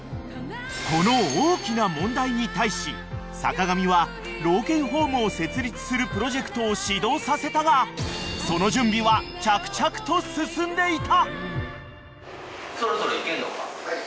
［この大きな問題に対し坂上は老犬ホームを設立するプロジェクトを始動させたがその準備は着々と進んでいた］